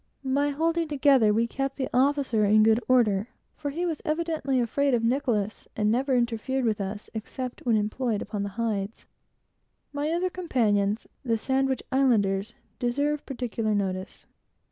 By holding well together, we kept the officer in good order, for he was evidently afraid of Nicholas, and never ordered us, except when employed upon the hides. My other companions, the Sandwich Islanders, deserve particular notice.